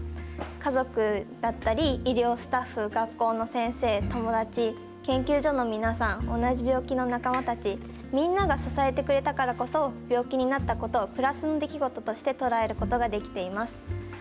家族だったり、医療スタッフ、学校の先生、友達、研究所の皆さん、同じ病気の仲間たち、みんなが支えてくれたからこそ、病気になったことをプラスの出来事として捉えることができています。